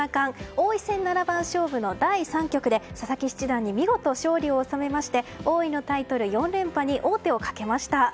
王位戦七番勝負の第３局で佐々木七段に見事勝利を収めまして王位のタイトル４連覇に王手をかけました。